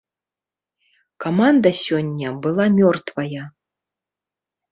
Каманда сёння была мёртвая.